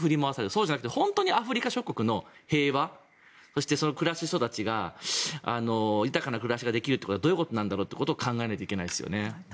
そうじゃなくて本当にアフリカ諸国の平和そして暮らし、育ちが豊かな暮らしができるということはどういうことなんだろうかということを考えないといけないですね。